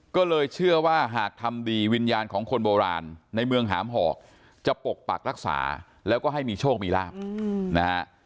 ก็เลยเชื่อว่าหากทำดีวิญญาณของคนโบราณในเมืองหามหอกจะปกปักรักษาแล้วก็ให้มีโชคมีลาบนะฮะ